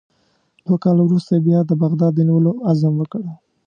دوه کاله وروسته یې بیا د بغداد د نیولو عزم وکړ.